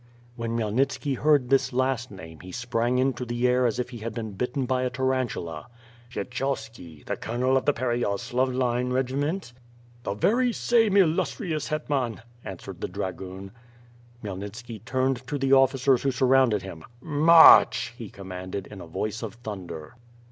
When Khymelnitski heard this last name, he sprang into the air as if he had been bitten by a tarantula. "Kshechovski? The colonel of the Pereyaslav line regi ment?" "The very same illustrious Hetman!" answered the dra goon. Khymelnitski turned to the officers who surounded him. "March!' 'he commanded, in a voice of thunder.